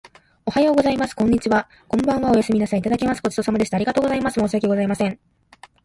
おはようございます。こんにちは。こんばんは。おやすみなさい。いただきます。ごちそうさまでした。ありがとうございます。申し訳ございません。